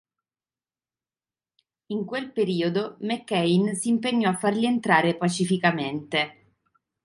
In quel periodo, McCain si impegnò a farli entrare pacificamente.